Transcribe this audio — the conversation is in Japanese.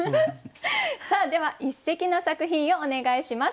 さあでは一席の作品をお願いします。